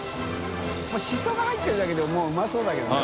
泙しそが入ってるだけでもううまそうだけどね。